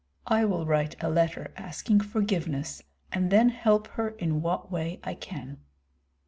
I will write a letter asking forgiveness, and then help her in what way I can."